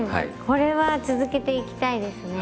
これは続けていきたいですね。